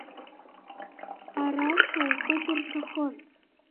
Ара шьоукы дырҭахын!